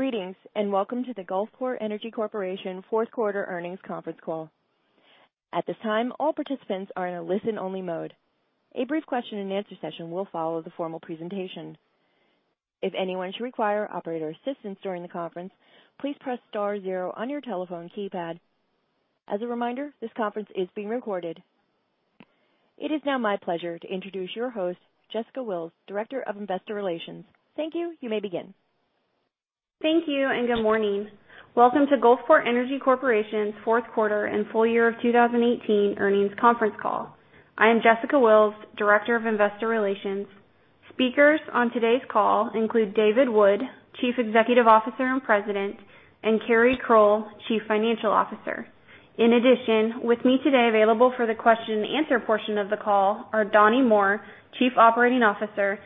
Greetings, and welcome to the Gulfport Energy Corporation fourth quarter earnings conference call. At this time, all participants are in a listen-only mode. A brief question and answer session will follow the formal presentation. If anyone should require operator assistance during the conference, please press star zero on your telephone keypad. As a reminder, this conference is being recorded. It is now my pleasure to introduce your host, Jessica Antle, Director of Investor Relations. Thank you. You may begin. Thank you. Good morning. Welcome to Gulfport Energy Corporation's fourth quarter and full year of 2018 earnings conference call. I am Jessica Antle, Director of Investor Relations. Speakers on today's call include David Wood, Chief Executive Officer and President, and Keri Crow, Chief Financial Officer. In addition, with me today available for the question and answer portion of the call are Donnie Moore, Chief Operating Officer, and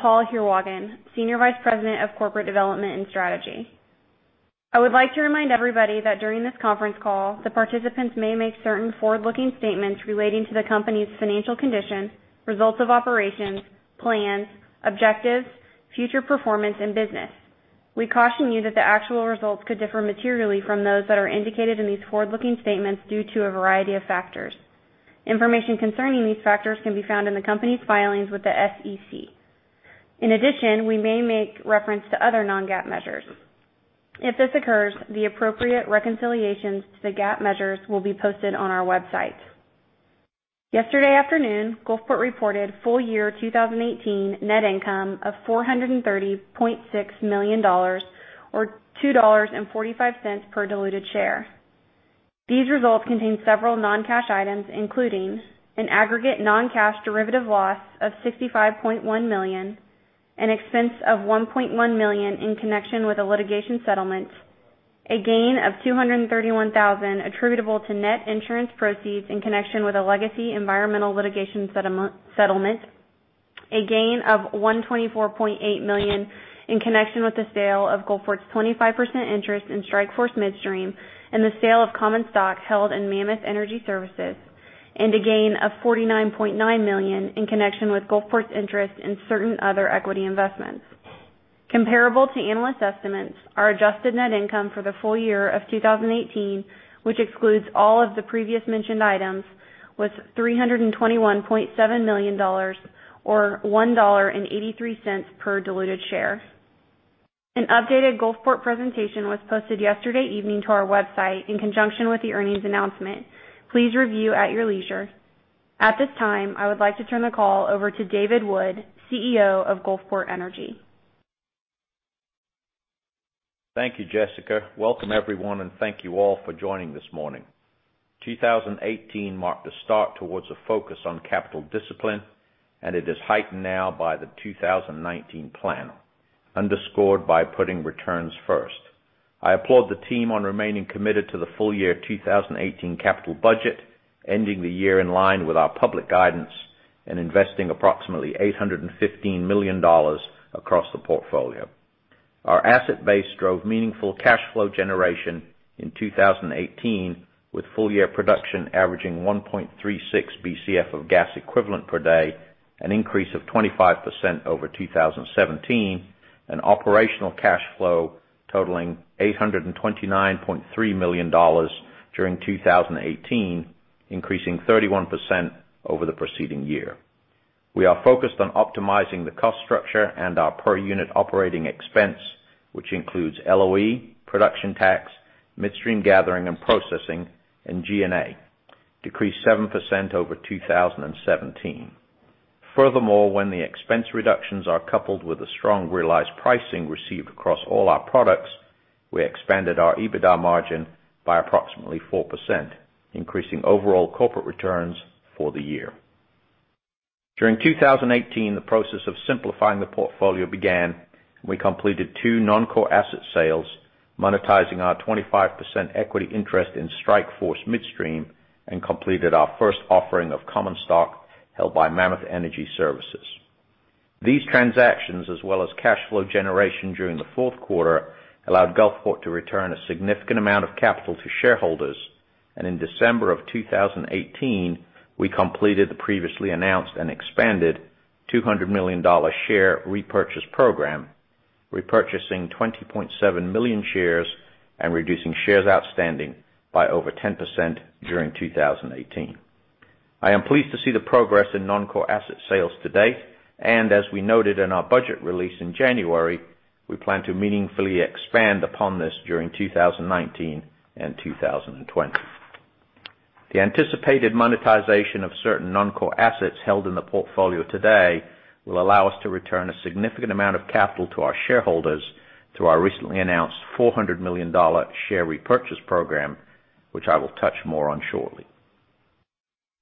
Paul Heerwagen, Senior Vice President of Corporate Development and Strategy. I would like to remind everybody that during this conference call, the participants may make certain forward-looking statements relating to the company's financial condition, results of operations, plans, objectives, future performance, and business. We caution you that the actual results could differ materially from those that are indicated in these forward-looking statements due to a variety of factors. Information concerning these factors can be found in the company's filings with the SEC. We may make reference to other non-GAAP measures. If this occurs, the appropriate reconciliations to the GAAP measures will be posted on our website. Yesterday afternoon, Gulfport reported full year 2018 net income of $430.6 million, or $2.45 per diluted share. These results contain several non-cash items, including an aggregate non-cash derivative loss of $65.1 million, an expense of $1.1 million in connection with a litigation settlement, a gain of $231,000 attributable to net insurance proceeds in connection with a legacy environmental litigation settlement, a gain of $124.8 million in connection with the sale of Gulfport's 25% interest in Strike Force Midstream, and the sale of common stock held in Mammoth Energy Services, and a gain of $49.9 million in connection with Gulfport's interest in certain other equity investments. Comparable to analyst estimates, our adjusted net income for the full year of 2018, which excludes all of the previous mentioned items, was $321.7 million, or $1.83 per diluted share. An updated Gulfport presentation was posted yesterday evening to our website in conjunction with the earnings announcement. Please review at your leisure. At this time, I would like to turn the call over to David Wood, CEO of Gulfport Energy. Thank you, Jessica. Welcome, everyone, and thank you all for joining this morning. 2018 marked the start towards a focus on capital discipline. It is heightened now by the 2019 plan, underscored by putting returns first. I applaud the team on remaining committed to the full year 2018 capital budget, ending the year in line with our public guidance and investing approximately $815 million across the portfolio. Our asset base drove meaningful cash flow generation in 2018, with full year production averaging 1.36 Bcf of gas equivalent per day, an increase of 25% over 2017, and operational cash flow totaling $829.3 million during 2018, increasing 31% over the preceding year. We are focused on optimizing the cost structure and our per-unit operating expense, which includes LOE, production tax, midstream gathering and processing, and G&A, decreased 7% over 2017. Furthermore, when the expense reductions are coupled with the strong realized pricing received across all our products, we expanded our EBITDA margin by approximately 4%, increasing overall corporate returns for the year. During 2018, the process of simplifying the portfolio began. We completed two non-core asset sales, monetizing our 25% equity interest in Strike Force Midstream, and completed our first offering of common stock held by Mammoth Energy Services. These transactions, as well as cash flow generation during the fourth quarter, allowed Gulfport to return a significant amount of capital to shareholders. In December of 2018, we completed the previously announced and expanded $200 million share repurchase program, repurchasing 20.7 million shares and reducing shares outstanding by over 10% during 2018. I am pleased to see the progress in non-core asset sales to date. As we noted in our budget release in January, we plan to meaningfully expand upon this during 2019 and 2020. The anticipated monetization of certain non-core assets held in the portfolio today will allow us to return a significant amount of capital to our shareholders through our recently announced $400 million share repurchase program, which I will touch more on shortly.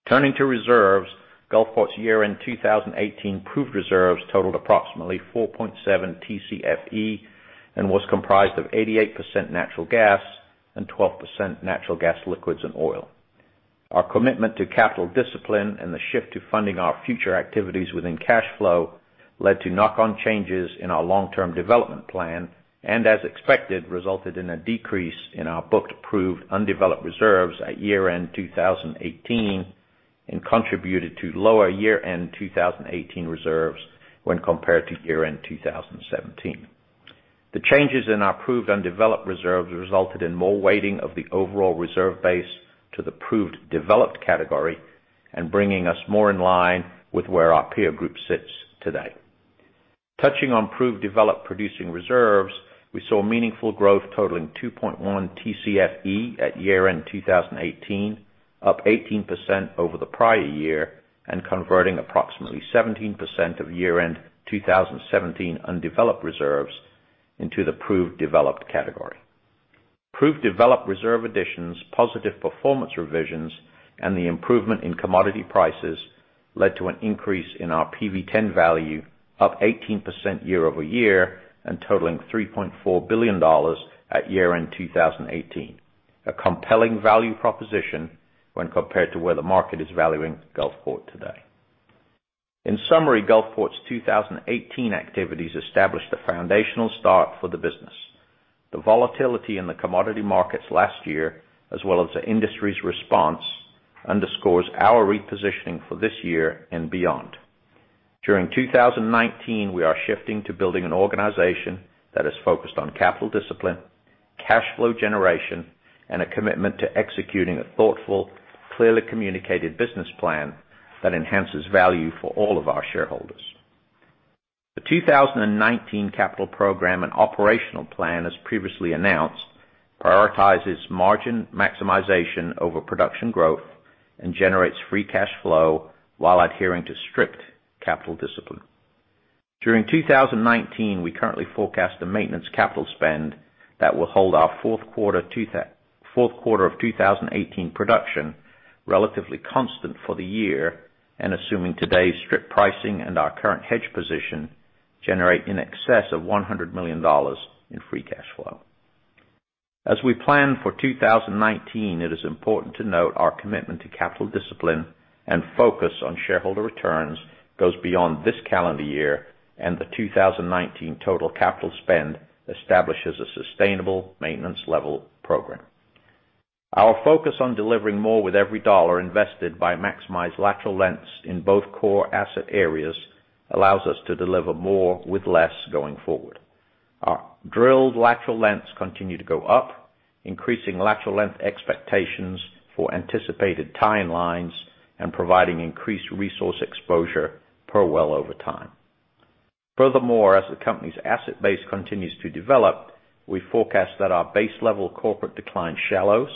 Turning to reserves, Gulfport's year-end 2018 proved reserves totaled approximately 4.7 TCFE and was comprised of 88% natural gas and 12% natural gas liquids and oil. Our commitment to capital discipline and the shift to funding our future activities within cash flow led to knock-on changes in our long-term development plan and, as expected, resulted in a decrease in our booked proved undeveloped reserves at year-end 2018 and contributed to lower year-end 2018 reserves when compared to year-end 2017. The changes in our proved undeveloped reserves resulted in more weighting of the overall reserve base to the proved developed category and bringing us more in line with where our peer group sits today. Touching on proved developed producing reserves, we saw meaningful growth totaling 2.1 TCFE at year-end 2018, up 18% over the prior year, and converting approximately 17% of year-end 2017 undeveloped reserves into the proved developed category. Proved developed reserve additions, positive performance revisions, and the improvement in commodity prices led to an increase in our PV-10 value, up 18% year over year and totaling $3.4 billion at year-end 2018. A compelling value proposition when compared to where the market is valuing Gulfport today. In summary, Gulfport's 2018 activities established a foundational start for the business. The volatility in the commodity markets last year, as well as the industry's response, underscores our repositioning for this year and beyond. During 2019, we are shifting to building an organization that is focused on capital discipline, cash flow generation, and a commitment to executing a thoughtful, clearly communicated business plan that enhances value for all of our shareholders. The 2019 capital program and operational plan, as previously announced, prioritizes margin maximization over production growth and generates free cash flow while adhering to strict capital discipline. During 2019, we currently forecast a maintenance capital spend that will hold our fourth quarter of 2018 production relatively constant for the year, and assuming today's strip pricing and our current hedge position generate in excess of $100 million in free cash flow. As we plan for 2019, it is important to note our commitment to capital discipline and focus on shareholder returns goes beyond this calendar year, and the 2019 total capital spend establishes a sustainable maintenance level program. Our focus on delivering more with every dollar invested by maximized lateral lengths in both core asset areas allows us to deliver more with less going forward. Our drilled lateral lengths continue to go up, increasing lateral length expectations for anticipated timelines and providing increased resource exposure per well over time. As the company's asset base continues to develop, we forecast that our base level corporate decline shallows,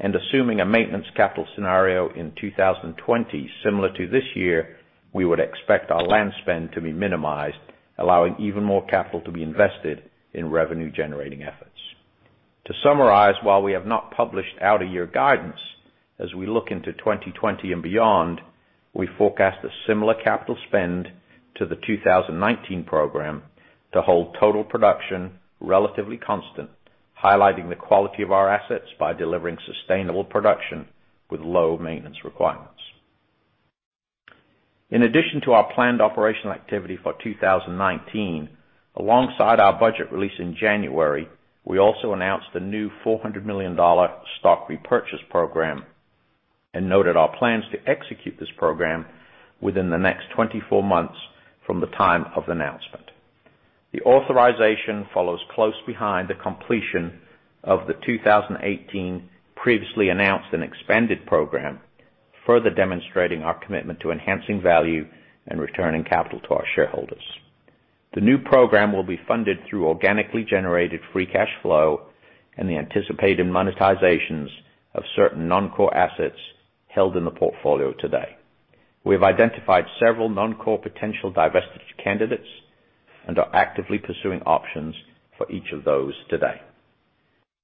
and assuming a maintenance capital scenario in 2020 similar to this year, we would expect our land spend to be minimized, allowing even more capital to be invested in revenue-generating efforts. To summarize, while we have not published out-a-year guidance, as we look into 2020 and beyond, we forecast a similar capital spend to the 2019 program to hold total production relatively constant, highlighting the quality of our assets by delivering sustainable production with low maintenance requirements. In addition to our planned operational activity for 2019, alongside our budget release in January, we also announced a new $400 million stock repurchase program and noted our plans to execute this program within the next 24 months from the time of announcement. The authorization follows close behind the completion of the 2018 previously announced and expanded program, further demonstrating our commitment to enhancing value and returning capital to our shareholders. The new program will be funded through organically generated free cash flow and the anticipated monetizations of certain non-core assets held in the portfolio today. We have identified several non-core potential divestiture candidates and are actively pursuing options for each of those today.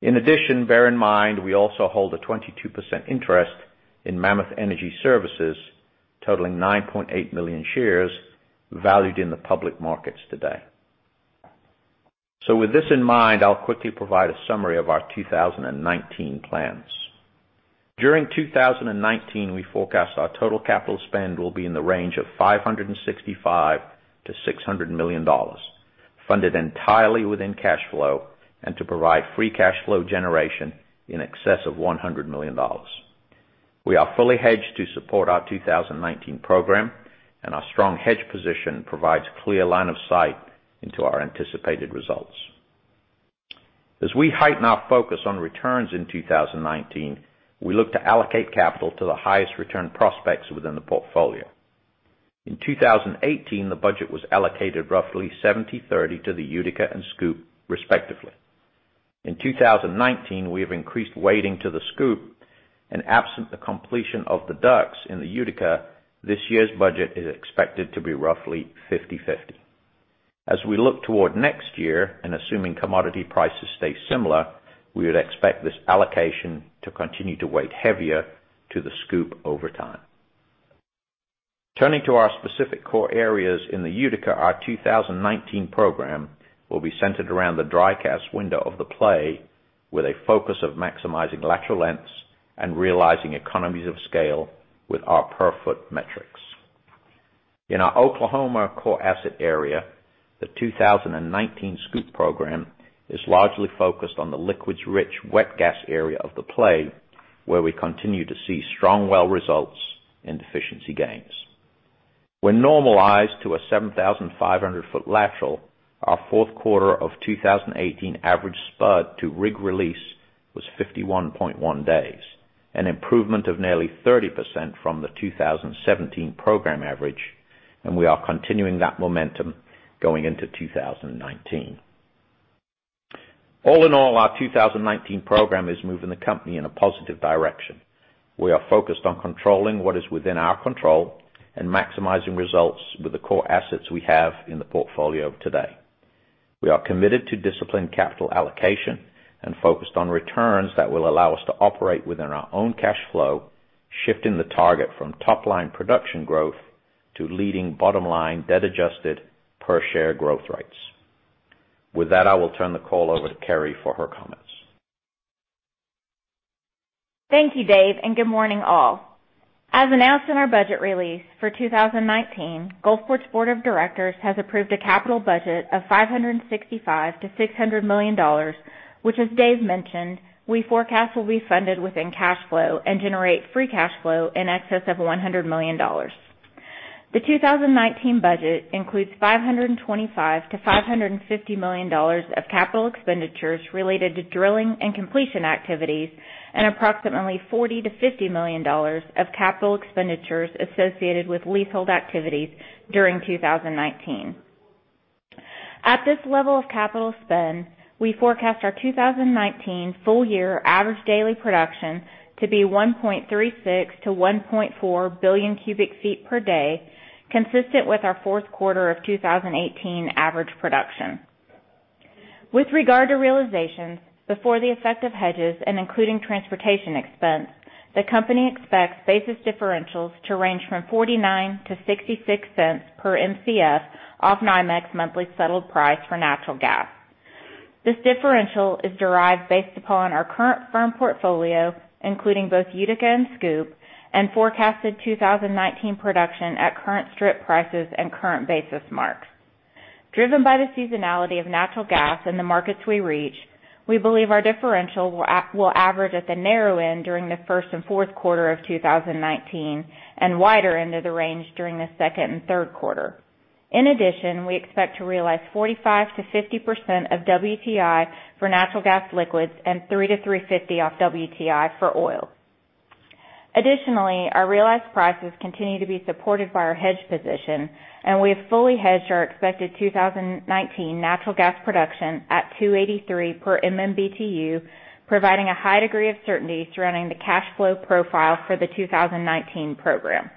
In addition, bear in mind, we also hold a 22% interest in Mammoth Energy Services, totaling 9.8 million shares, valued in the public markets today. With this in mind, I'll quickly provide a summary of our 2019 plans. During 2019, we forecast our total capital spend will be in the range of $565-$600 million, funded entirely within cash flow and to provide free cash flow generation in excess of $100 million. We are fully hedged to support our 2019 program, and our strong hedge position provides clear line of sight into our anticipated results. As we heighten our focus on returns in 2019, we look to allocate capital to the highest return prospects within the portfolio. In 2018, the budget was allocated roughly 70/30 to the Utica and SCOOP respectively. In 2019, we have increased weighting to the SCOOP, and absent the completion of the DUCs in the Utica, this year's budget is expected to be roughly 50/50. As we look toward next year, and assuming commodity prices stay similar, we would expect this allocation to continue to weight heavier to the SCOOP over time. Turning to our specific core areas in the Utica, our 2019 program will be centered around the Dry Gas window of the play with a focus of maximizing lateral lengths and realizing economies of scale with our per-foot metrics. In our Oklahoma core asset area, the 2019 SCOOP program is largely focused on the liquids-rich wet gas area of the play, where we continue to see strong well results and efficiency gains. When normalized to a 7,500-foot lateral, our fourth quarter of 2018 average spud to rig release was 51.1 days, an improvement of nearly 30% from the 2017 program average, and we are continuing that momentum going into 2019. All in all, our 2019 program is moving the company in a positive direction. We are focused on controlling what is within our control and maximizing results with the core assets we have in the portfolio today. We are committed to disciplined capital allocation and focused on returns that will allow us to operate within our own cash flow, shifting the target from top-line production growth to leading bottom-line debt-adjusted per-share growth rates. With that, I will turn the call over to Carey for her comments. Thank you, Dave, and good morning, all. As announced in our budget release for 2019, Gulfport's board of directors has approved a capital budget of $565 million-$600 million, which, as Dave mentioned, we forecast will be funded within cash flow and generate free cash flow in excess of $100 million. The 2019 budget includes $525 million-$550 million of capital expenditures related to drilling and completion activities and approximately $40 million-$50 million of capital expenditures associated with leasehold activities during 2019. At this level of capital spend, we forecast our 2019 full-year average daily production to be 1.36 billion-1.4 billion cubic feet per day, consistent with our fourth quarter of 2018 average production. With regard to realizations, before the effect of hedges and including transportation expense, the company expects basis differentials to range from $0.49-$0.66 per Mcf off NYMEX monthly settled price for natural gas. This differential is derived based upon our current firm portfolio, including both Utica and SCOOP, and forecasted 2019 production at current strip prices and current basis marks. Driven by the seasonality of natural gas in the markets we reach, we believe our differential will average at the narrow end during the first and fourth quarter of 2019 and wider end of the range during the second and third quarter. In addition, we expect to realize 45%-50% of WTI for natural gas liquids and $3-$3.50 off WTI for oil. Additionally, our realized prices continue to be supported by our hedge position, and we have fully hedged our expected 2019 natural gas production at $2.83 per MMBtu, providing a high degree of certainty surrounding the cash flow profile for the 2019 program.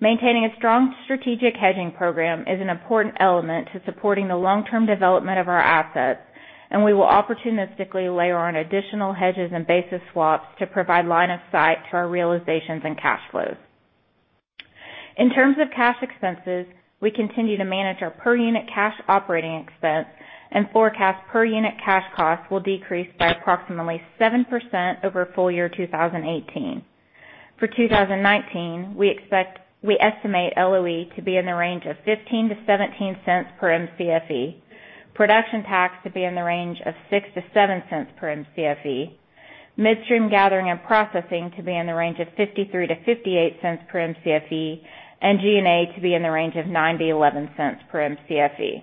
Maintaining a strong strategic hedging program is an important element to supporting the long-term development of our assets, and we will opportunistically layer on additional hedges and basis swaps to provide line of sight to our realizations and cash flows. In terms of cash expenses, we continue to manage our per-unit cash operating expense and forecast per-unit cash costs will decrease by approximately 7% over full year 2018. For 2019, we estimate LOE to be in the range of $0.15-$0.17 per Mcfe, production tax to be in the range of $0.06-$0.07 per Mcfe, midstream gathering and processing to be in the range of $0.53-$0.58 per Mcfe, and G&A to be in the range of $0.09-$0.11 per Mcfe.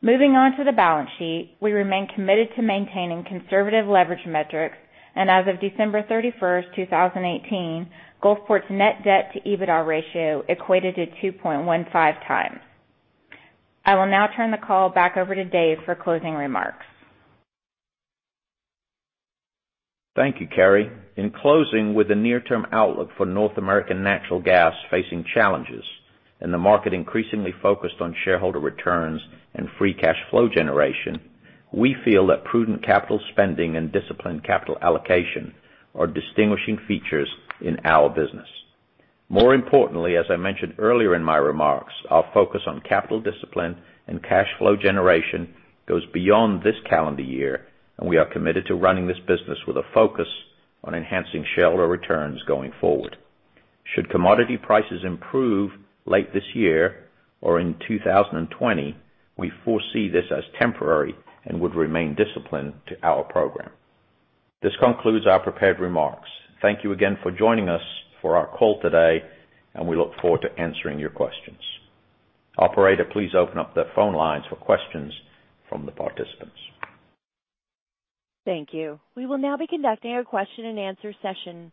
Moving on to the balance sheet, we remain committed to maintaining conservative leverage metrics, and as of December 31st, 2018, Gulfport's net debt to EBITDA ratio equated to 2.15 times. I will now turn the call back over to Dave for closing remarks. Thank you, Keri. In closing, with the near-term outlook for North American natural gas facing challenges and the market increasingly focused on shareholder returns and free cash flow generation, we feel that prudent capital spending and disciplined capital allocation are distinguishing features in our business. More importantly, as I mentioned earlier in my remarks, our focus on capital discipline and cash flow generation goes beyond this calendar year, and we are committed to running this business with a focus on enhancing shareholder returns going forward. Should commodity prices improve late this year or in 2020, we foresee this as temporary and would remain disciplined to our program. This concludes our prepared remarks. Thank you again for joining us for our call today, and we look forward to answering your questions. Operator, please open up the phone lines for questions from the participants. Thank you. We will now be conducting a question-and-answer session.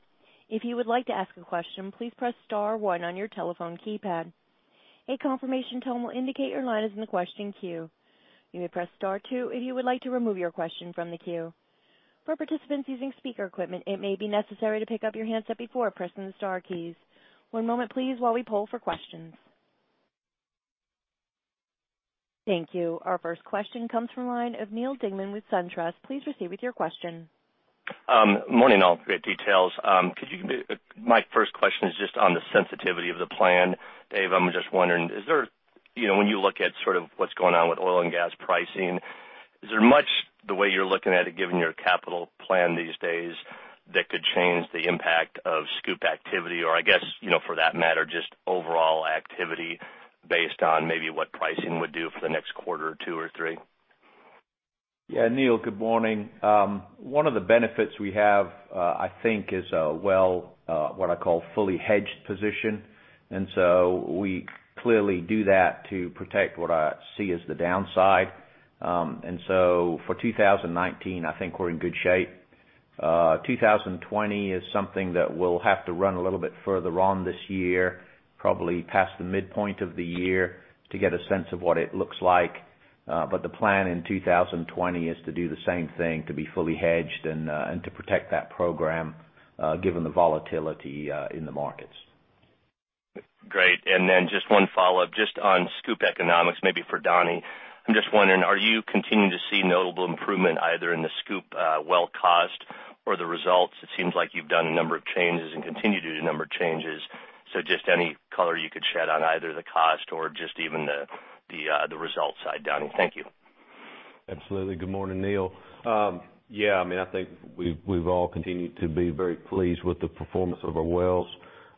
If you would like to ask a question, please press *1 on your telephone keypad. A confirmation tone will indicate your line is in the question queue. You may press *2 if you would like to remove your question from the queue. For participants using speaker equipment, it may be necessary to pick up your handset before pressing the star keys. One moment, please, while we poll for questions. Thank you. Our first question comes from the line of Neal Dingmann with SunTrust. Please proceed with your question. Morning, all. Great details. My first question is just on the sensitivity of the plan. Dave, I'm just wondering when you look at what's going on with oil and gas pricing Is there much the way you're looking at it, given your capital plan these days, that could change the impact of DUC activity? I guess, for that matter, just overall activity based on maybe what pricing would do for the next quarter or two or three? Yeah, Neal, good morning. One of the benefits we have, I think, is a well, what I call fully hedged position. We clearly do that to protect what I see as the downside. For 2019, I think we're in good shape. 2020 is something that we'll have to run a little bit further on this year, probably past the midpoint of the year, to get a sense of what it looks like. The plan in 2020 is to do the same thing, to be fully hedged and to protect that program given the volatility in the markets. Great. Just one follow-up, just on Scoop economics, maybe for Donnie. I'm just wondering, are you continuing to see notable improvement either in the Scoop well cost or the results? It seems like you've done a number of changes and continue to do a number of changes. Just any color you could shed on either the cost or just even the result side, Donnie. Thank you. Absolutely. Good morning, Neal. I think we've all continued to be very pleased with the performance of our wells.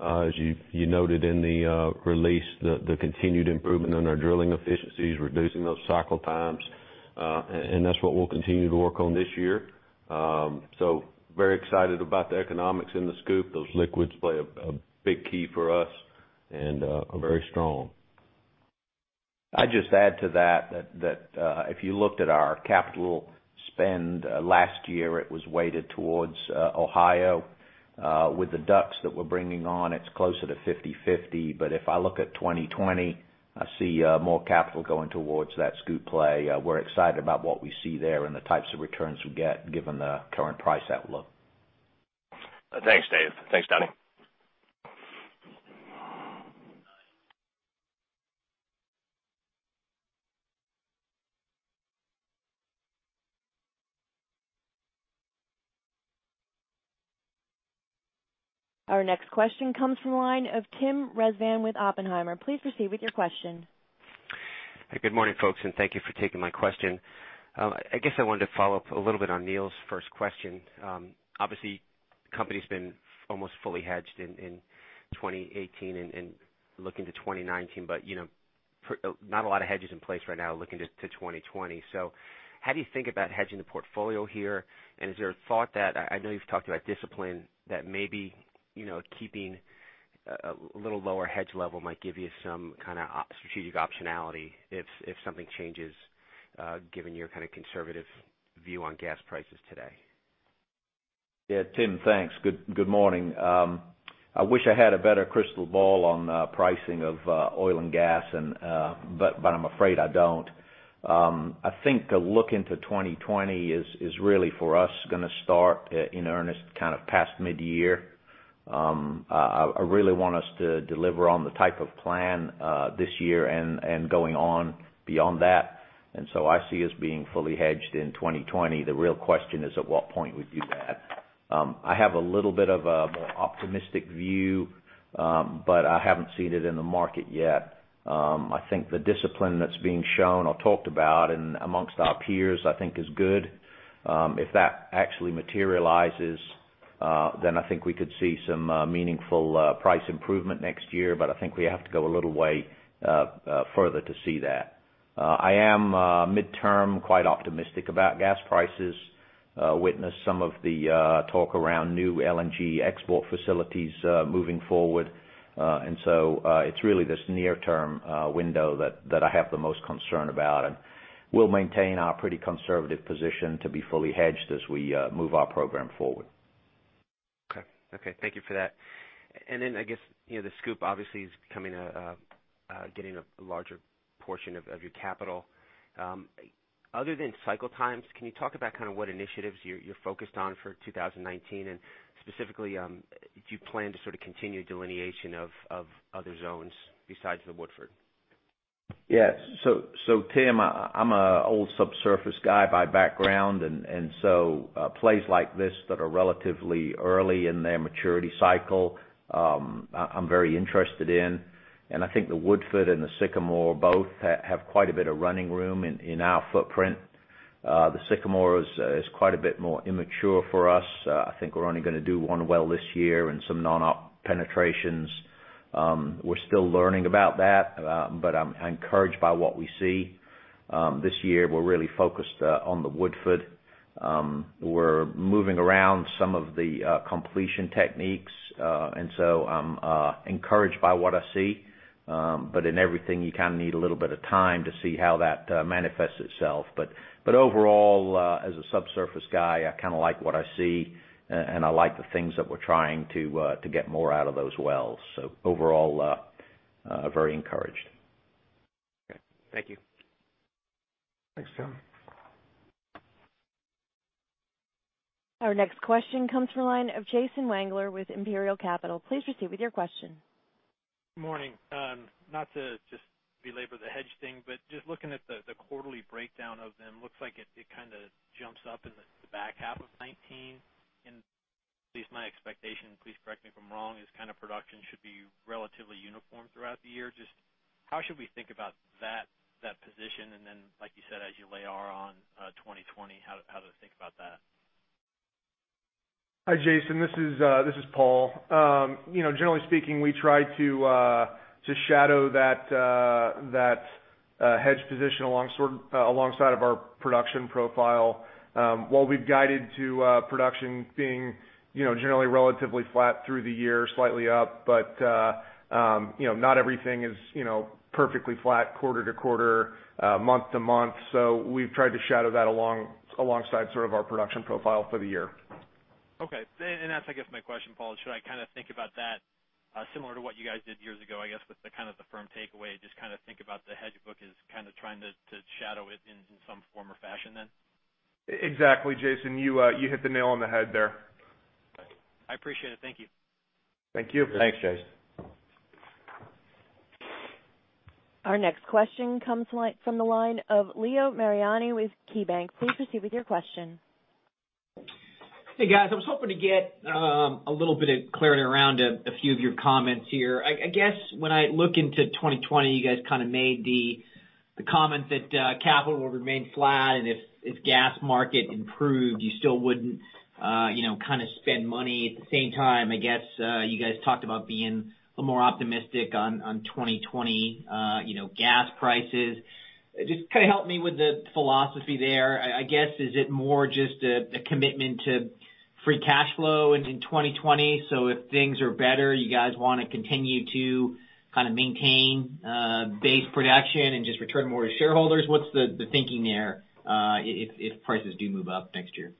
As you noted in the release, the continued improvement in our drilling efficiencies, reducing those cycle times. That's what we'll continue to work on this year. Very excited about the economics in the Scoop. Those liquids play a big key for us and are very strong. I'd just add to that if you looked at our capital spend last year, it was weighted towards Ohio. With the DUCs that we're bringing on, it's closer to 50/50. If I look at 2020, I see more capital going towards that Scoop play. We're excited about what we see there and the types of returns we get given the current price outlook. Thanks, Dave. Thanks, Donnie. Our next question comes from the line of Tim Rezvan with Oppenheimer. Please proceed with your question. Good morning, folks, and thank you for taking my question. I guess I wanted to follow up a little bit on Neal's first question. Obviously, company's been almost fully hedged in 2018 and looking to 2019, but not a lot of hedges in place right now looking to 2020. How do you think about hedging the portfolio here? Is there a thought that, I know you've talked about discipline, that maybe keeping a little lower hedge level might give you some kind of strategic optionality if something changes given your kind of conservative view on gas prices today? Yeah, Tim, thanks. Good morning. I wish I had a better crystal ball on pricing of oil and gas, but I'm afraid I don't. I think a look into 2020 is really, for us, going to start in earnest kind of past mid-year. I really want us to deliver on the type of plan this year and going on beyond that. I see us being fully hedged in 2020. The real question is at what point we do that. I have a little bit of a more optimistic view, but I haven't seen it in the market yet. I think the discipline that's being shown or talked about amongst our peers, I think is good. If that actually materializes, I think we could see some meaningful price improvement next year. I think we have to go a little way further to see that. I am midterm, quite optimistic about gas prices. Witnessed some of the talk around new LNG export facilities moving forward. It's really this near-term window that I have the most concern about, and we'll maintain our pretty conservative position to be fully hedged as we move our program forward. Okay. Thank you for that. I guess, the scoop obviously is getting a larger portion of your capital. Other than cycle times, can you talk about what initiatives you're focused on for 2019? Specifically, do you plan to sort of continue delineation of other zones besides the Woodford? Yeah. Tim, I'm an old subsurface guy by background, plays like this that are relatively early in their maturity cycle, I'm very interested in, I think the Woodford and the Sycamore both have quite a bit of running room in our footprint. The Sycamore is quite a bit more immature for us. I think we're only going to do one well this year and some non-op penetrations. We're still learning about that, I'm encouraged by what we see. This year, we're really focused on the Woodford. We're moving around some of the completion techniques, I'm encouraged by what I see. In everything, you kind of need a little bit of time to see how that manifests itself. Overall, as a subsurface guy, I kind of like what I see, I like the things that we're trying to get more out of those wells. Overall, very encouraged. Okay. Thank you. Thanks, Tim. Our next question comes from the line of Jason Wangler with Imperial Capital. Please proceed with your question. Good morning. Not to just belabor the hedge thing, but just looking at the quarterly breakdown of them, looks like it kind of jumps up in the back half of 2019 in At least my expectation, please correct me if I'm wrong, is production should be relatively uniform throughout the year. Just how should we think about that position, and then, like you said, as you layer on 2020, how to think about that? Hi, Jason. This is Paul. Generally speaking, we try to shadow that hedge position alongside of our production profile. While we've guided to production being generally relatively flat through the year, slightly up. Not everything is perfectly flat quarter to quarter, month to month. We've tried to shadow that alongside our production profile for the year. Okay. That's, I guess, my question, Paul. Should I think about that similar to what you guys did years ago, I guess, with the firm takeaway, just think about the hedge book as trying to shadow it in some form or fashion then? Exactly, Jason. You hit the nail on the head there. Okay. I appreciate it. Thank you. Thank you. Thanks, Jason. Our next question comes from the line of Leo Mariani with KeyBank. Please proceed with your question. Hey, guys. I was hoping to get a little bit of clarity around a few of your comments here. I guess when I look into 2020, you guys made the comment that capital will remain flat, and if gas market improved, you still wouldn't spend money. At the same time, I guess, you guys talked about being a little more optimistic on 2020 gas prices. Just help me with the philosophy there. I guess, is it more just a commitment to free cash flow into 2020? If things are better, you guys want to continue to maintain base production and just return more to shareholders? What's the thinking there if prices do move up next year?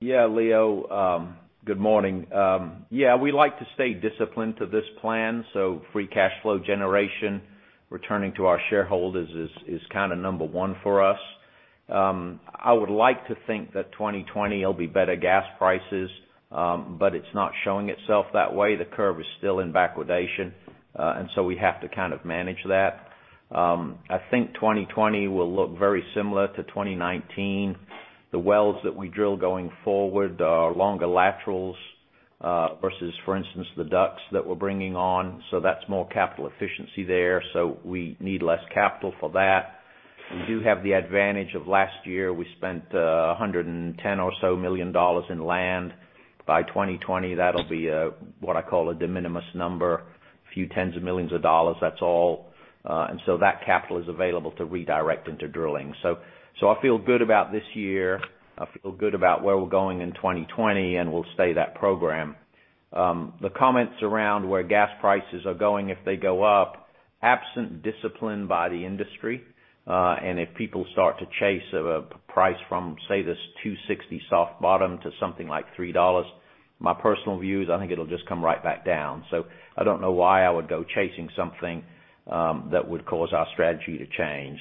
Yeah, Leo. Good morning. We like to stay disciplined to this plan. Free cash flow generation, returning to our shareholders is number one for us. I would like to think that 2020 will be better gas prices, but it's not showing itself that way. The curve is still in backwardation. We have to manage that. I think 2020 will look very similar to 2019. The wells that we drill going forward are longer laterals versus, for instance, the DUCs that we're bringing on. That's more capital efficiency there. We need less capital for that. We do have the advantage of last year, we spent $110 or so million in land. By 2020, that'll be what I call a de minimis number, a few tens of millions of dollars, that's all. That capital is available to redirect into drilling. I feel good about this year. I feel good about where we're going in 2020, and we'll stay that program. The comments around where gas prices are going if they go up, absent discipline by the industry, and if people start to chase a price from, say, this $2.60 soft bottom to something like $3, my personal view is I think it'll just come right back down. I don't know why I would go chasing something that would cause our strategy to change.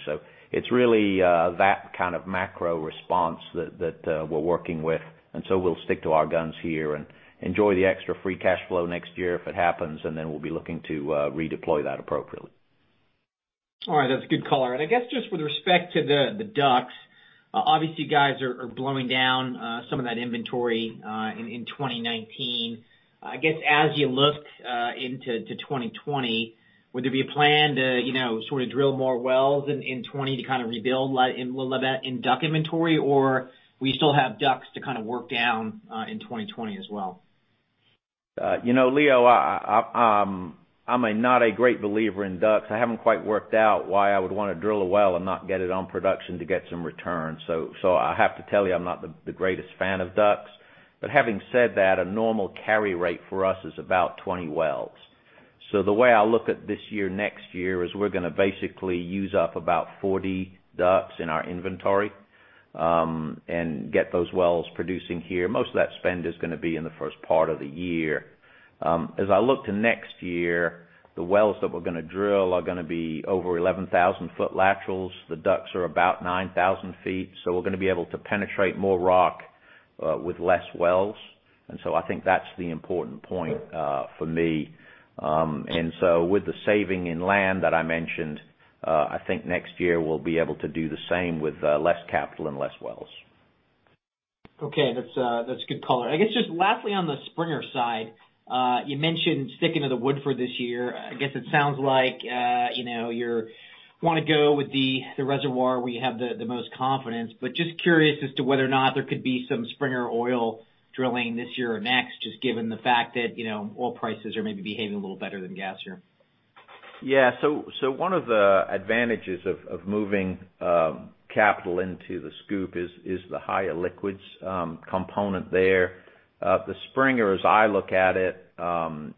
It's really that kind of macro response that we're working with, and so we'll stick to our guns here and enjoy the extra free cash flow next year if it happens, and then we'll be looking to redeploy that appropriately. All right. That's a good call. I guess just with respect to the DUCs, obviously, you guys are blowing down some of that inventory in 2019. I guess as you look into 2020, would there be a plan to drill more wells in 2020 to rebuild a little of that in DUC inventory, or we still have DUCs to work down in 2020 as well? Leo, I'm not a great believer in DUCs. I haven't quite worked out why I would want to drill a well and not get it on production to get some return. I have to tell you, I'm not the greatest fan of DUCs. Having said that, a normal carry rate for us is about 20 wells. The way I look at this year, next year, is we're going to basically use up about 40 DUCs in our inventory, and get those wells producing here. Most of that spend is going to be in the first part of the year. As I look to next year, the wells that we're going to drill are going to be over 11,000 foot laterals. The DUCs are about 9,000 feet, so we're going to be able to penetrate more rock with less wells. I think that's the important point for me. With the saving in land that I mentioned, I think next year we'll be able to do the same with less capital and less wells. Okay. That's a good call. I guess just lastly on the Springer side, you mentioned sticking to the Woodford this year. I guess it sounds like you want to go with the reservoir where you have the most confidence, but just curious as to whether or not there could be some Springer oil drilling this year or next, just given the fact that oil prices are maybe behaving a little better than gas here. Yeah. One of the advantages of moving capital into the Scoop is the higher liquids component there. The Springer, as I look at it,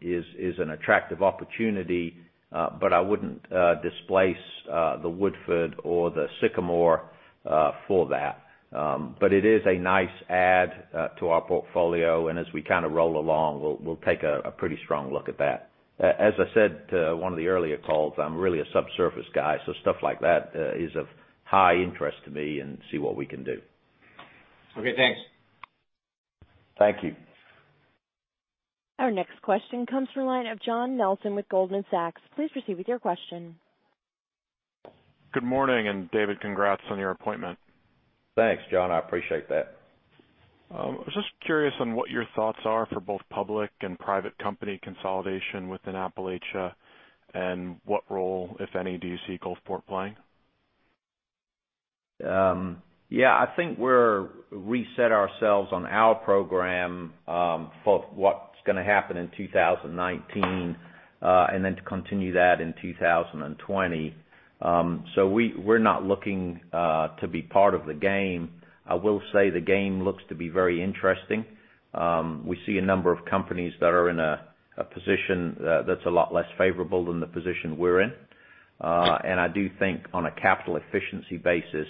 is an attractive opportunity, but I wouldn't displace the Woodford or the Sycamore for that. It is a nice add to our portfolio, and as we roll along, we'll take a pretty strong look at that. As I said to one of the earlier calls, I'm really a subsurface guy, stuff like that is of high interest to me and see what we can do. Okay, thanks. Thank you. Our next question comes from the line of John Nelson with Goldman Sachs. Please proceed with your question. Good morning, and David, congrats on your appointment. Thanks, John. I appreciate that. I was just curious on what your thoughts are for both public and private company consolidation within Appalachia, and what role, if any, do you see Gulfport playing? Yeah. I think we've reset ourselves on our program for what's going to happen in 2019. To continue that in 2020, we're not looking to be part of the game. I will say the game looks to be very interesting. We see a number of companies that are in a position that's a lot less favorable than the position we're in. I do think on a capital efficiency basis,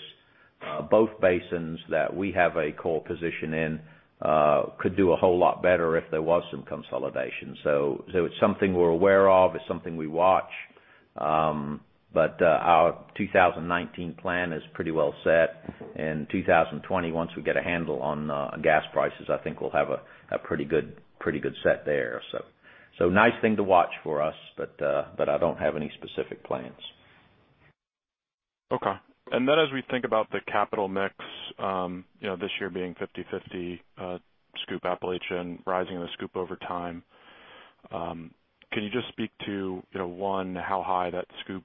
both basins that we have a core position in could do a whole lot better if there was some consolidation. It's something we're aware of, it's something we watch. Our 2019 plan is pretty well set. In 2020, once we get a handle on gas prices, I think we'll have a pretty good set there. Nice thing to watch for us, but I don't have any specific plans. Okay. As we think about the capital mix this year being 50-50, Scoop Appalachia and rising in the Scoop over time, can you just speak to, one, how high that Scoop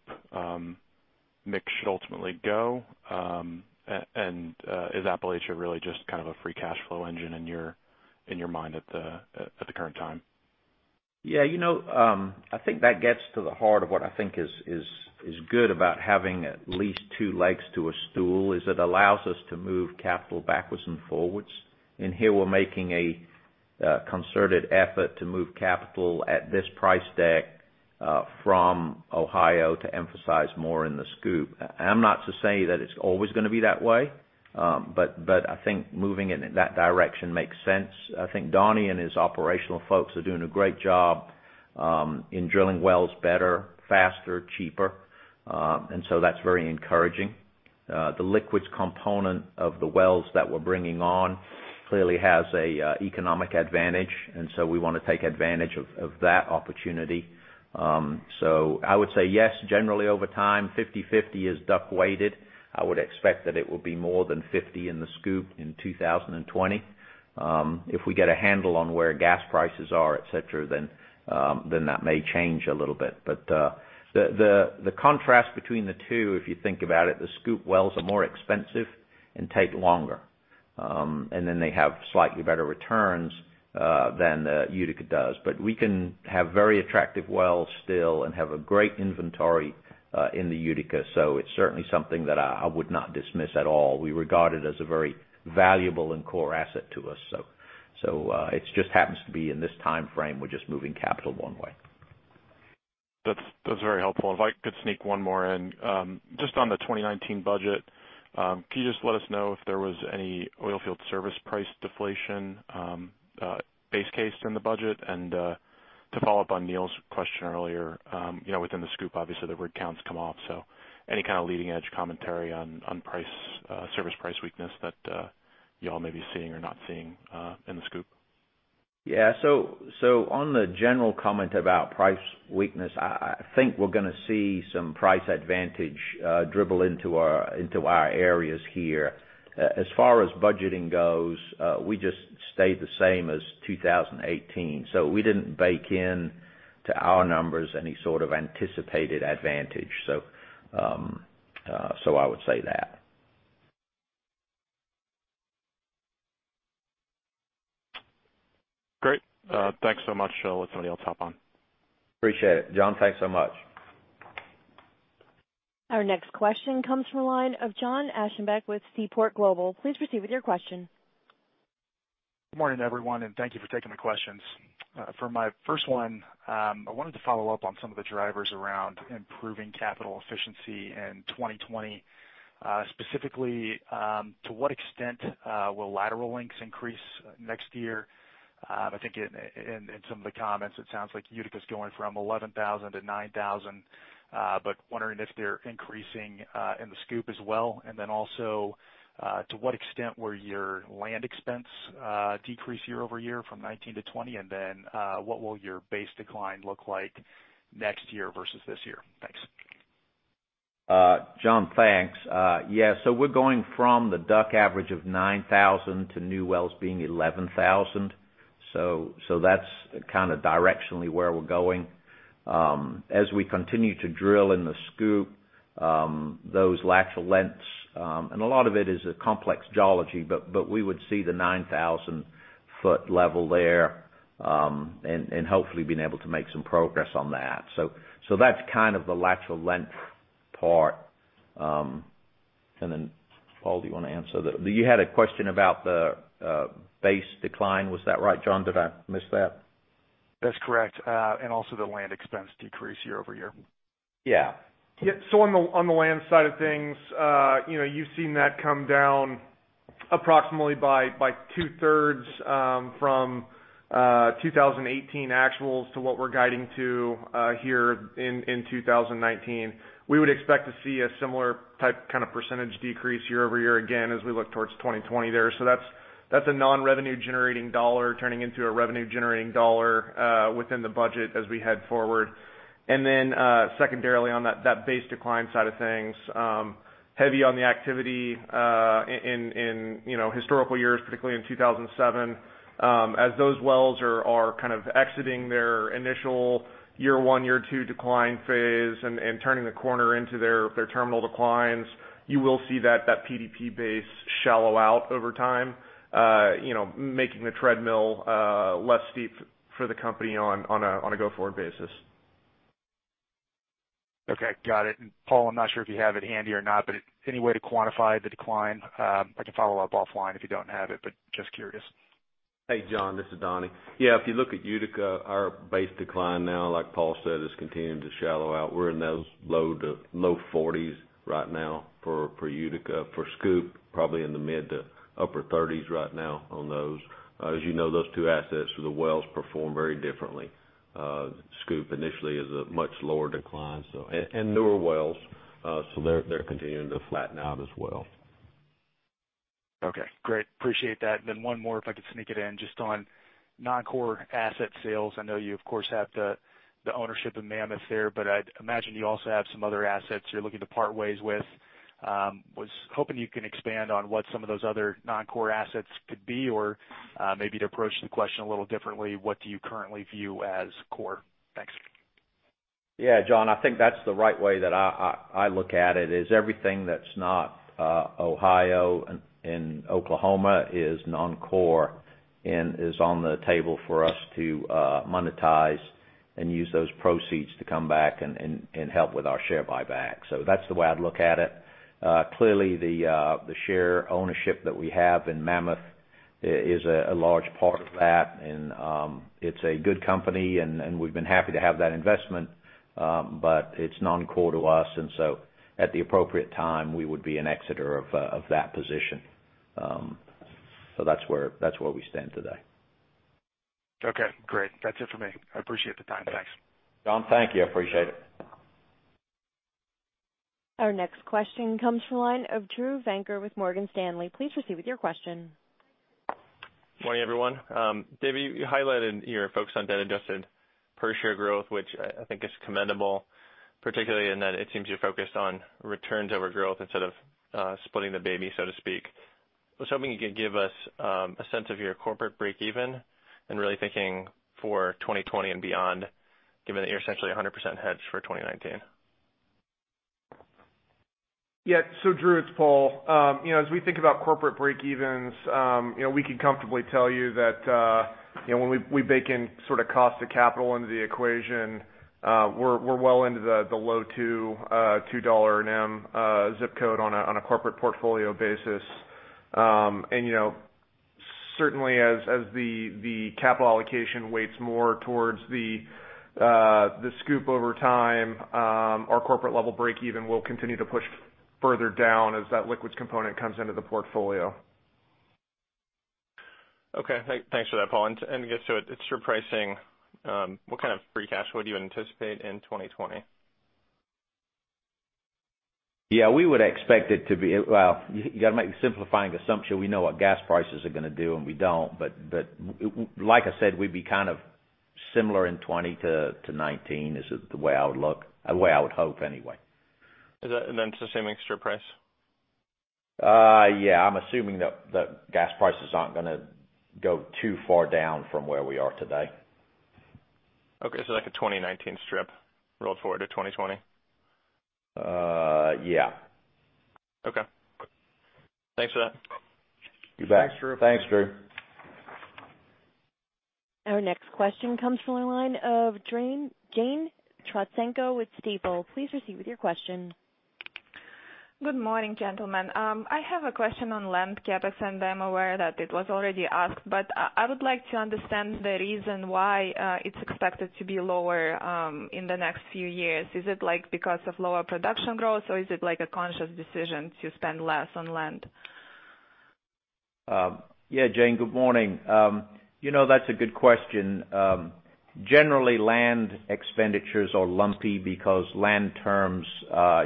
mix should ultimately go? Is Appalachia really just kind of a free cash flow engine in your mind at the current time? Yeah. I think that gets to the heart of what I think is good about having at least two legs to a stool, is it allows us to move capital backwards and forwards. Here we're making a concerted effort to move capital at this price deck from Ohio to emphasize more in the Scoop. I'm not to say that it's always going to be that way, but I think moving it in that direction makes sense. I think Donnie and his operational folks are doing a great job in drilling wells better, faster, cheaper. That's very encouraging. The liquids component of the wells that we're bringing on clearly has an economic advantage. We want to take advantage of that opportunity. I would say yes, generally over time, 50-50 is DUC weighted. I would expect that it will be more than 50 in the Scoop in 2020. If we get a handle on where gas prices are, et cetera, that may change a little bit. The contrast between the two, if you think about it, the Scoop wells are more expensive and take longer. They have slightly better returns than Utica does. We can have very attractive wells still and have a great inventory in the Utica. It's certainly something that I would not dismiss at all. We regard it as a very valuable and core asset to us. It just happens to be in this timeframe, we're just moving capital one way. That's very helpful. If I could sneak one more in. Just on the 2019 budget, can you just let us know if there was any oil field service price deflation base case in the budget? To follow up on Neal's question earlier, within the Scoop, obviously, the rig counts come off, any kind of leading-edge commentary on service price weakness that y'all may be seeing or not seeing in the Scoop? Yeah. On the general comment about price weakness, I think we're going to see some price advantage dribble into our areas here. As far as budgeting goes, we just stayed the same as 2018. We didn't bake in to our numbers any sort of anticipated advantage. I would say that. Great. Thanks so much. I'll let somebody else hop on. Appreciate it. John, thanks so much. Our next question comes from the line of John Aschenbeck with Seaport Global. Please proceed with your question. Good morning, everyone. Thank you for taking the questions. For my first one, I wanted to follow up on some of the drivers around improving capital efficiency in 2020. Specifically, to what extent will lateral lengths increase next year? I think in some of the comments it sounds like Utica's going from 11,000 to 9,000. Wondering if they're increasing in the Scoop as well. Also, to what extent were your land expense decrease year-over-year from 2019 to 2020? What will your base decline look like next year versus this year? Thanks. John, thanks. Yeah. We're going from the DUC average of 9,000 to new wells being 11,000. That's kind of directionally where we're going. As we continue to drill in the Scoop, those lateral lengths, and a lot of it is a complex geology, but we would see the 9,000-foot level there, and hopefully being able to make some progress on that. That's kind of the lateral length part. Paul, do you want to answer? You had a question about the base decline. Was that right, John? Did I miss that? That's correct. Also the land expense decrease year-over-year. Yeah. Yeah. On the land side of things, you've seen that come down Approximately by two-thirds from 2018 actuals to what we're guiding to here in 2019. We would expect to see a similar type kind of percentage decrease year-over-year again as we look towards 2020 there. That's a non-revenue generating dollar turning into a revenue generating dollar within the budget as we head forward. Then, secondarily on that base decline side of things, heavy on the activity in historical years, particularly in 2017. As those wells are exiting their initial year one, year two decline phase and turning the corner into their terminal declines, you will see that PDP base shallow out over time, making the treadmill less steep for the company on a go-forward basis. Okay. Got it. Paul, I'm not sure if you have it handy or not, but any way to quantify the decline? I can follow up offline if you don't have it, but just curious. Hey, John, this is Donnie. If you look at Utica, our base decline now, like Paul said, is continuing to shallow out. We're in those low to low 40s right now for Utica, for Scoop, probably in the mid to upper 30s right now on those. As you know, those two assets for the wells perform very differently. Scoop initially is a much lower decline. And newer wells, so they're continuing to flatten out as well. Great. Appreciate that. One more, if I could sneak it in, just on non-core asset sales. I know you of course have the ownership of Mammoth there, but I'd imagine you also have some other assets you're looking to part ways with. Was hoping you can expand on what some of those other non-core assets could be, or maybe to approach the question a little differently, what do you currently view as core? Thanks. John, I think that's the right way that I look at it, is everything that's not Ohio and Oklahoma is non-core and is on the table for us to monetize and use those proceeds to come back and help with our share buyback. That's the way I'd look at it. Clearly, the share ownership that we have in Mammoth is a large part of that, and it's a good company, and we've been happy to have that investment. It's non-core to us, and so at the appropriate time, we would be an exiter of that position. That's where we stand today. Great. That's it for me. I appreciate the time. Thanks. John. Thank you. I appreciate it. Our next question comes from the line of Drew Venker with Morgan Stanley. Please proceed with your question. Morning, everyone. David, you highlighted your focus on debt-adjusted per share growth, which I think is commendable, particularly in that it seems you're focused on returns over growth instead of splitting the baby, so to speak. I was hoping you could give us a sense of your corporate breakeven and really thinking for 2020 and beyond, given that you're essentially 100% hedged for 2019. Yeah. Drew, it's Paul. As we think about corporate breakevens, we can comfortably tell you that when we bake in sort of cost of capital into the equation, we're well into the low $2 million ZIP code on a corporate portfolio basis. Certainly as the capital allocation weights more towards the SCOOP over time, our corporate level breakeven will continue to push further down as that liquids component comes into the portfolio. Okay. Thanks for that, Paul. What kind of free cash would you anticipate in 2020? Yeah, we would expect it to be you got to make simplifying assumption. We know what gas prices are going to do, and we don't, but like I said, we'd be kind of similar in 2020 to 2019 is the way I would hope anyway. It's the same extra price? Yeah. I'm assuming that gas prices aren't going to go too far down from where we are today. Okay. Like a 2019 strip rolled forward to 2020? Yeah. Okay. Thanks for that. You bet. Thanks, Drew. Thanks, Drew. Our next question comes from the line of Jane Trotsenko with Stifel. Please proceed with your question. Good morning, gentlemen. I have a question on land CapEx, and I'm aware that it was already asked, but I would like to understand the reason why it's expected to be lower in the next few years. Is it because of lower production growth, or is it a conscious decision to spend less on land? Yeah, Jane, good morning. That's a good question. Generally, land expenditures are lumpy because land terms,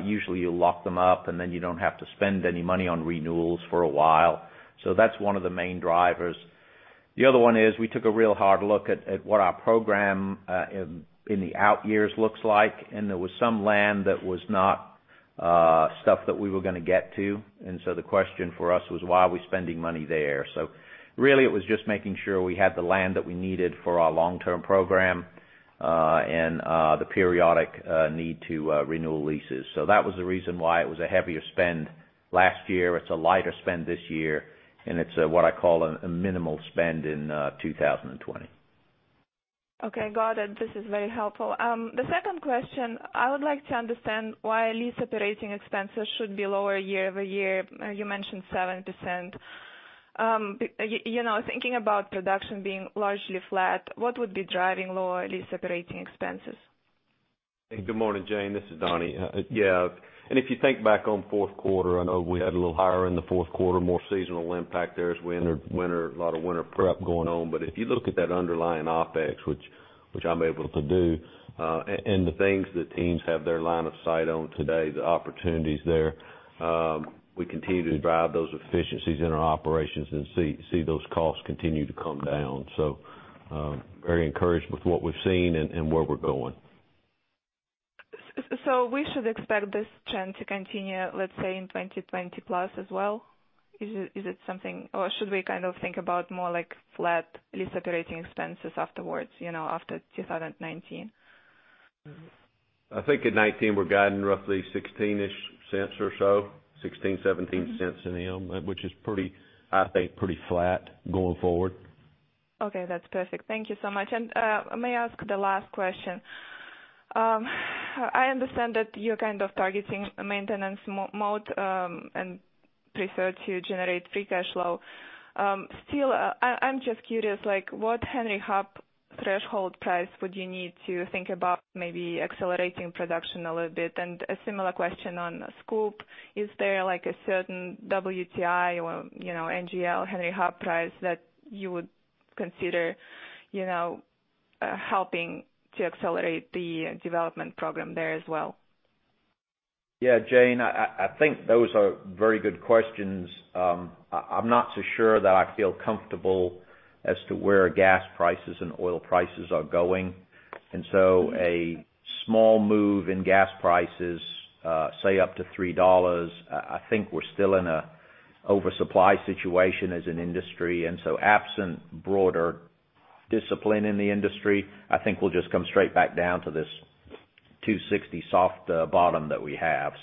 usually you lock them up, and then you don't have to spend any money on renewals for a while. That's one of the main drivers. The other one is we took a real hard look at what our program in the out years looks like, and there was some land that was not stuff that we were going to get to. The question for us was, why are we spending money there? Really it was just making sure we had the land that we needed for our long-term program, and the periodic need to renew leases. That was the reason why it was a heavier spend last year. It's a lighter spend this year, and it's what I call a minimal spend in 2020. Okay, got it. This is very helpful. The second question, I would like to understand why lease operating expenses should be lower year-over-year. You mentioned 70%. Thinking about production being largely flat, what would be driving lower lease operating expenses? Good morning, Jane. This is Donnie. Yeah, if you think back on fourth quarter, I know we had a little higher in the fourth quarter, more seasonal impact there as a lot of winter prep going on. If you look at that underlying OpEx, which I'm able to do, and the things that teams have their line of sight on today, the opportunities there, we continue to drive those efficiencies in our operations and see those costs continue to come down. Very encouraged with what we've seen and where we're going. We should expect this trend to continue, let's say, in 2020 plus as well? Should we think about more like flat lease operating expenses afterwards, after 2019? I think in 2019 we're guiding roughly $0.16-ish or so, $0.16, $0.17 an M, which is, I think, pretty flat going forward. May I ask the last question? I understand that you're kind of targeting a maintenance mode, prefer to generate free cash flow. I'm just curious, what Henry Hub threshold price would you need to think about maybe accelerating production a little bit? A similar question on SCOOP. Is there a certain WTI or NGL Henry Hub price that you would consider helping to accelerate the development program there as well? Jane, I think those are very good questions. I'm not so sure that I feel comfortable as to where gas prices and oil prices are going. A small move in gas prices, say, up to $3, I think we're still in a oversupply situation as an industry. Absent broader discipline in the industry, I think we'll just come straight back down to this $2.60 soft bottom that we have.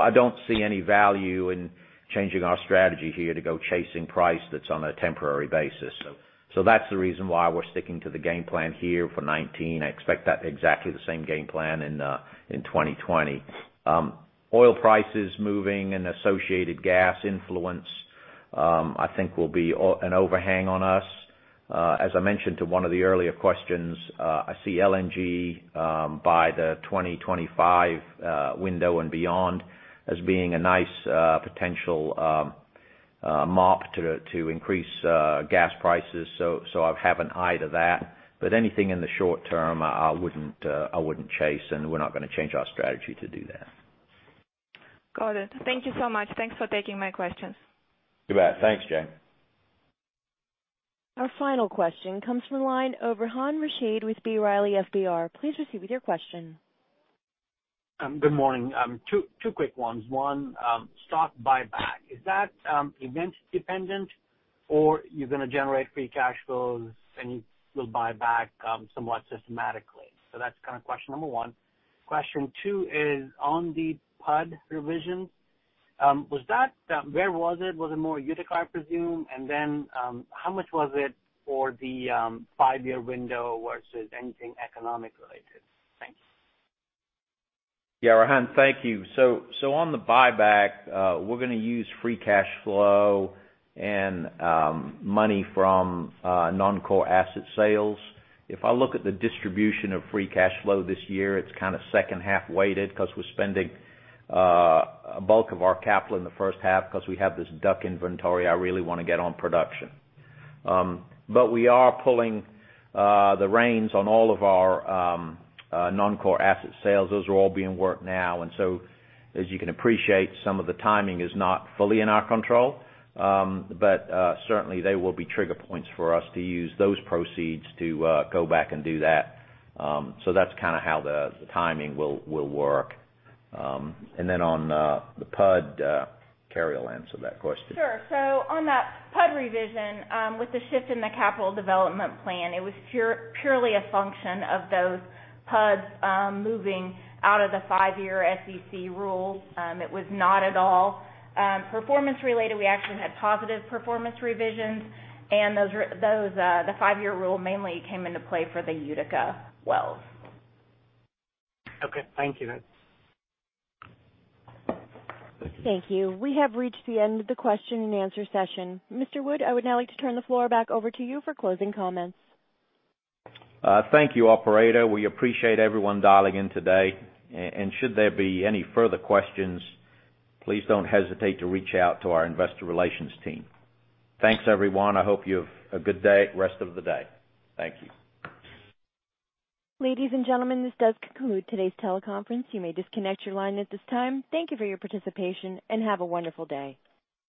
I don't see any value in changing our strategy here to go chasing price that's on a temporary basis. That's the reason why we're sticking to the game plan here for 2019. I expect that exactly the same game plan in 2020. Oil prices moving and associated gas influence, I think will be an overhang on us. As I mentioned to one of the earlier questions, I see LNG by the 2025 window and beyond as being a nice potential mop to increase gas prices. I have an eye to that. Anything in the short term, I wouldn't chase, and we're not going to change our strategy to do that. Got it. Thank you so much. Thanks for taking my questions. You bet. Thanks, Jane. Our final question comes from the line of Rehan Rashid with B. Riley FBR. Please proceed with your question. Good morning. Two quick ones. One, stock buyback. Is that event dependent or you're going to generate free cash flows, and you will buy back somewhat systematically? That's kind of question number one. Question two is on the PUD revision. Where was it? Was it more Utica presumed? How much was it for the five-year window versus anything economic related? Thanks. Yeah, Rehan. Thank you. On the buyback, we're going to use free cash flow and money from non-core asset sales. If I look at the distribution of free cash flow this year, it's kind of second half weighted because we're spending a bulk of our capital in the first half because we have this DUC inventory I really want to get on production. We are pulling the reins on all of our non-core asset sales. Those are all being worked now. As you can appreciate, some of the timing is not fully in our control. Certainly they will be trigger points for us to use those proceeds to go back and do that. That's kind of how the timing will work. On the PUD, K.eary will answer that question. Sure. On that PUD revision, with the shift in the capital development plan, it was purely a function of those PUDs moving out of the 5-year SEC rule. It was not at all performance related. We actually had positive performance revisions. The 5-year rule mainly came into play for the Utica wells. Okay. Thank you then. Thank you. We have reached the end of the question and answer session. Mr. Wood, I would now like to turn the floor back over to you for closing comments. Thank you, operator. We appreciate everyone dialing in today. Should there be any further questions, please don't hesitate to reach out to our investor relations team. Thanks, everyone. I hope you have a good rest of the day. Thank you. Ladies and gentlemen, this does conclude today's teleconference. You may disconnect your line at this time. Thank you for your participation, and have a wonderful day.